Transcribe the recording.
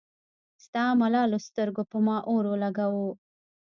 ستا ملالو سترګو پۀ ما اور اولګوو